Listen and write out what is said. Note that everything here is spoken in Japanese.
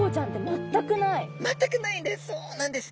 全くないんです。